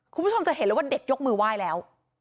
คุณผู้ชมจะเห็นเลยว่าเด็กยกมือไหว้แล้ว